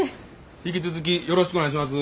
引き続きよろしくお願いします。